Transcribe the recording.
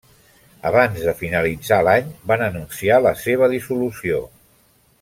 Abans de finalitzar l'any van anunciar la seva dissolució.